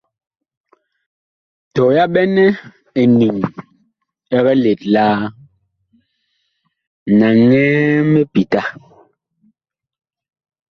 Tɔ yaɓɛnɛ eniŋ ɛg let laa, naŋɛ mipita.